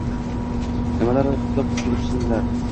Nimalar qilib yuripsilar?